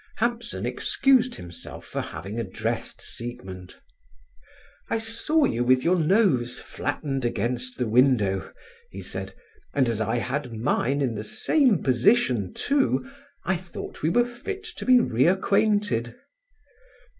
Hampson excused himself for having addressed Siegmund: "I saw you with your nose flattened against the window," he said, "and as I had mine in the same position too, I thought we were fit to be re acquainted."